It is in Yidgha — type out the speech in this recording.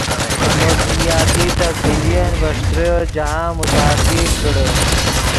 موسمیاتی تبدیلین ڤے ݯتریو جاہند متاثر کڑے